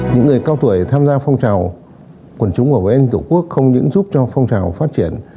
những người cao tuổi tham gia phong trào quần chúng bảo vệ an ninh tổ quốc không những giúp cho phong trào phát triển